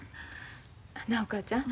なあお母ちゃん。